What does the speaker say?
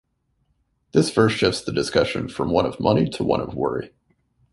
This verse shifts the discussion from one of money to one of worry.